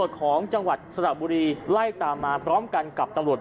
ของจังหวัดสระบุรีไล่ตามมาพร้อมกันกับตำรวจ